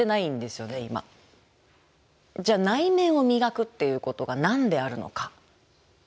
じゃあ内面を磨くっていうことが何であるのか。